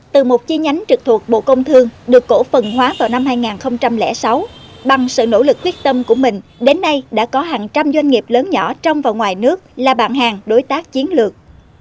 từ một chi nhánh trực thuộc bộ công thương được cổ phần hóa vào năm hai nghìn sáu bằng sự nỗ lực quyết tâm của mình đến nay đã có hàng trăm doanh nghiệp lớn nhỏ trong và ngoài nước là bạn hàng đối tác chiến lược